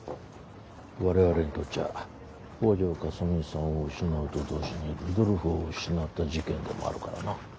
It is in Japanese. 我々にとっちゃ北條かすみさんを失うと同時にルドルフを失った事件でもあるからな。